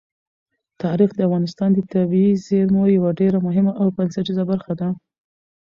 تاریخ د افغانستان د طبیعي زیرمو یوه ډېره مهمه او بنسټیزه برخه ده.